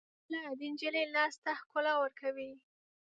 پیاله د نجلۍ لاس ته ښکلا ورکوي.